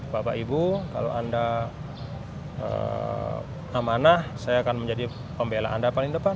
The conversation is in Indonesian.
bapak ibu kalau anda amanah saya akan menjadi pembela anda paling depan